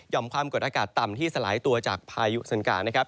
ยอมความกดอากาศตามที่สลายตัวจากพยุสนการนะครับ